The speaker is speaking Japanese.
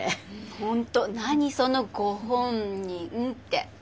本当何その「ご本人」って。